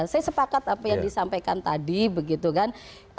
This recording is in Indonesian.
saya sepakat apa yang disampaikan tadi begitu kan